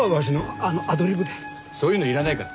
そういうのいらないから。